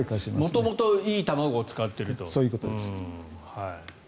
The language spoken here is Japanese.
元々いい卵を使っていると。